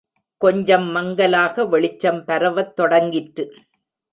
கொஞ்சம் மங்கலாக வெளிச்சம் பரவத் தொடங்கிற்று.